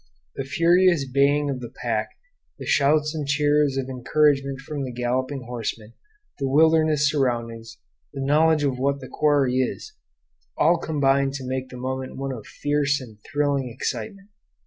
The furious baying of the pack, the shouts and cheers of encouragement from the galloping horsemen, the wilderness surroundings, the knowledge of what the quarry is all combine to make the moment one of fierce and thrilling excitement.